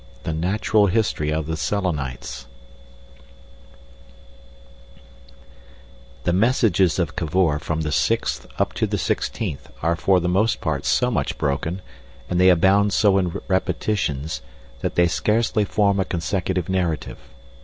The Natural History of the Selenites The messages of Cavor from the sixth up to the sixteenth are for the most part so much broken, and they abound so in repetitions, that they scarcely form a consecutive narrative.